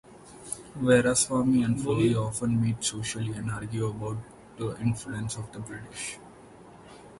Veraswami and Flory often meet socially and argue about the influence of the British.